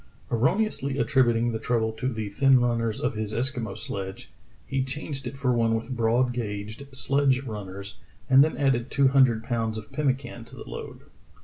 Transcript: " Erro neously attributing the trouble to the thin runners of his Eskimo sledge, he changed it for one with broad gauged sledge runners, and then added two hundred pounds of pemmican to the load.